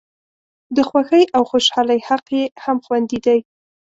د خوښۍ او خوشالۍ حق یې هم خوندي دی.